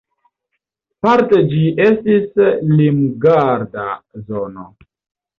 Parte ĝi estis limgarda zono.